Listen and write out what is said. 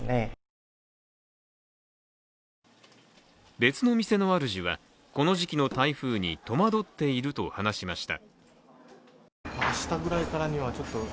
別の店のあるじは、この時期の台風に戸惑っていると話しました。